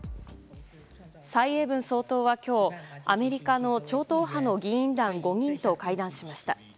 蔡英文総統は今日アメリカの超党派の議員団５人と会談しました。